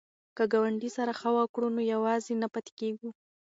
که ګاونډي سره ښه وکړو نو یوازې نه پاتې کیږو.